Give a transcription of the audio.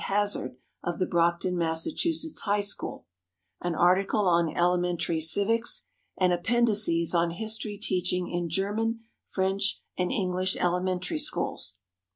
Hazard, of the Brockton, Mass., High School; an article on elementary civics, and appendices on history teaching in German, French and English elementary schools.